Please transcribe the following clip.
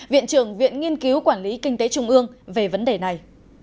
viện trưởng viện nghiên cứu quản lý kinh tế trung ương về vấn đề này